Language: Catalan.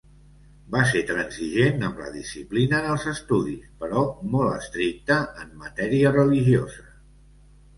Va ser transigent amb la disciplina en els estudis, però molt estricte en matèria religiosa.